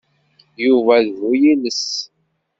Yuba d bu-yiles.